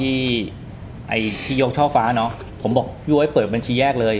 ไอ้ที่ยกช่อฟ้าเนาะผมบอกพี่ไว้เปิดบัญชีแยกเลย